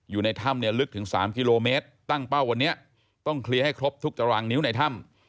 อยู่ในถ้ำเนี่ยลึกถึง๓กิโลเมตรตั้งเป้าวันนี้ต้องเคลียร์ให้ครบทุกตารางนิ้วในถ้ำ